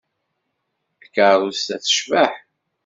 Takeṛṛust-a tecbeḥ.